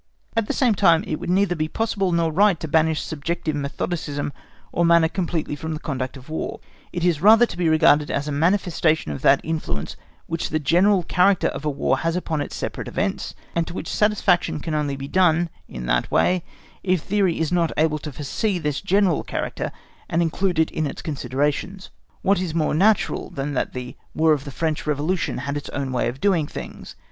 At the same time, it would neither be possible nor right to banish subjective methodicism or manner completely from the conduct of War: it is rather to be regarded as a manifestation of that influence which the general character of a War has upon its separate events, and to which satisfaction can only be done in that way if theory is not able to foresee this general character and include it in its considerations. What is more natural than that the War of the French Revolution had its own way of doing things?